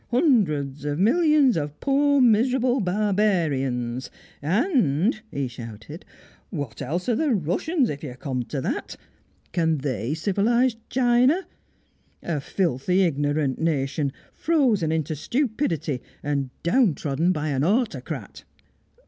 Hundreds of millions of poor miserable barbarians. And" he shouted "what else are the Russians, if you come to that? Can they civilise China? A filthy, ignorant nation, frozen into stupidity, and downtrodden by an Autocrat!"